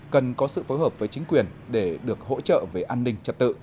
cần có sự phối hợp với chính quyền để được hỗ trợ về an ninh trật tự